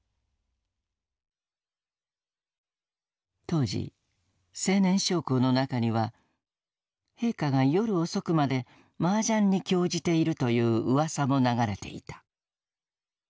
当時青年将校の中には「陛下が夜遅くまでマージャンに興じている」といううわさも流れていた。